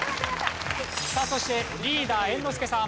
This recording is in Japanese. さあそしてリーダー猿之助さん。